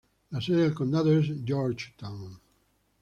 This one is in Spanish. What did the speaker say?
La sede del condado es Georgetown.